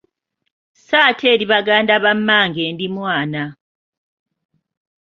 Sso ate eri Baganda ba mmange ndi mwana.